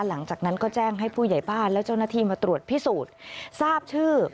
หลังจากนั้นก็แจ้งให้ผู้ใหญ่บ้านและเจ้าหน้าที่มาตรวจพิสูจน์ทราบชื่อ